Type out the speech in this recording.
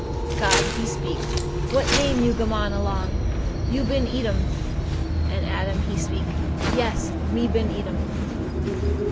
God He speak. 'What name you gammon along me? You been eat 'm.' And Adam he speak, 'Yes, me been eat 'm.